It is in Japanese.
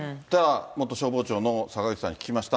元消防庁の坂口さんに聞きました。